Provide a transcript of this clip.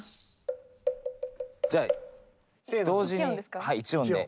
じゃあ同時に１音で。